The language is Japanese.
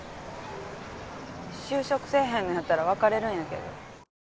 就職せえへんのやったら別れるんやけど